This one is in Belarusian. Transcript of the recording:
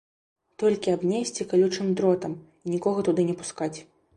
Толькі абнесці калючым дротам, і нікога туды не пускаць.